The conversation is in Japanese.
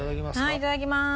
はいいただきます。